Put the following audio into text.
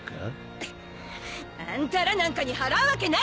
くっあんたらなんかに払うわけないでしょ！